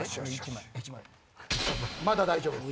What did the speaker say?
まだ大丈夫です。